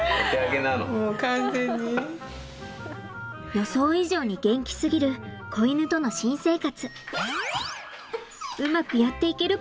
予想以上に元気すぎる子犬との新生活。